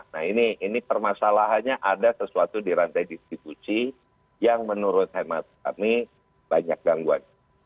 nah ini permasalahannya ada sesuatu di rantai distribusi yang menurut hemat kami banyak gangguan